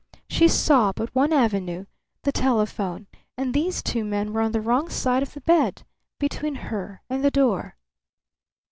She saw but one avenue, the telephone; and these two men were on the wrong side of the bed, between her and the door.